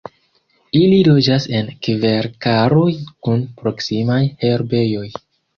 Ili loĝas en kverkaroj kun proksimaj herbejoj.